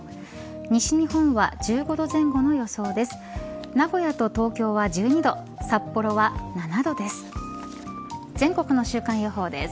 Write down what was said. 西日本は１５度前後の予想です。